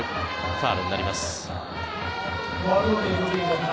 ファウルになります。